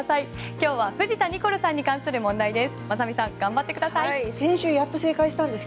今日は藤田ニコルさんに関する問題です。